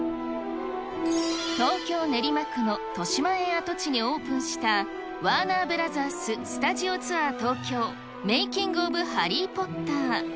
東京・練馬区のとしまえん跡地にオープンした、ワーナーブラザーススタジオツアー東京・メイキング・オブ・ハリー・ポッター。